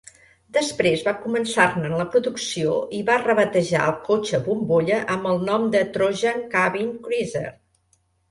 Després va començar-ne la producció i va rebatejar el cotxe bombolla amb el nom de "Trojan Cabin Cruiser".